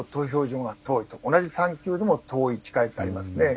同じ３級でも遠い近いというのがありますね。